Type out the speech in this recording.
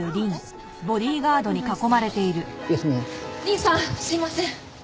リンさんすいません。